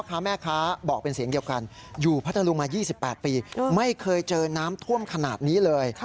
ค้าแม่ค้าบอกเป็นเสียงเดียวกันอยู่พัทธรุงมา๒๘ปีไม่เคยเจอน้ำท่วมขนาดนี้เลย